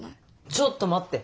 ちょっと待って！